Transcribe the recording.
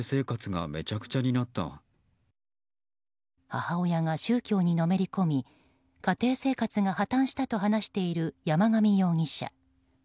母親が宗教にのめり込み家庭生活が破綻したと話している山上容疑者。